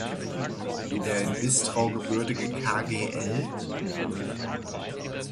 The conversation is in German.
Der in Bistrau gebürtige kgl.